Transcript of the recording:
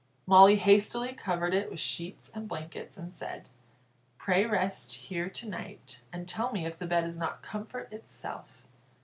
Molly hastily covered it with sheets and blankets, and said: "Pray rest here to night, and tell me if the bed is not comfort itself.